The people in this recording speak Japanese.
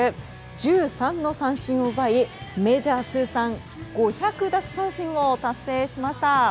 １３の三振を奪いメジャー通算５００奪三振を達成しました。